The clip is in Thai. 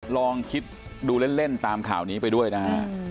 ลองคิดดูเล่นตามข่าวนี้ไปด้วยนะฮะ